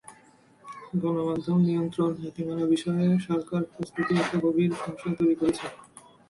গণমাধ্যম নিয়ন্ত্রণ নীতিমালা বিষয়ে সরকারের প্রস্তুতি একটা গভীর সংশয় তৈরি করেছে।